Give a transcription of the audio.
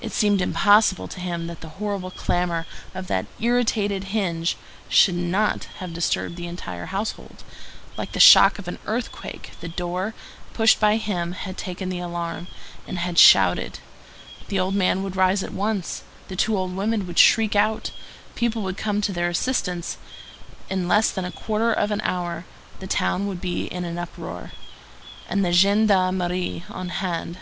It seemed impossible to him that the horrible clamor of that irritated hinge should not have disturbed the entire household, like the shock of an earthquake; the door, pushed by him, had taken the alarm, and had shouted; the old man would rise at once; the two old women would shriek out; people would come to their assistance; in less than a quarter of an hour the town would be in an uproar, and the gendarmerie on hand.